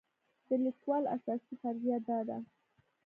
د لیکوال اساسي فرضیه دا ده.